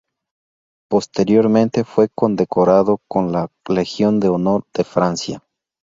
Posteriormente fue condecorado con la Legión de Honor de Francia.